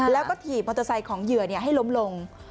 แล้วก็ถีบมอเทอสัยของเยือนี่ให้ล้มลง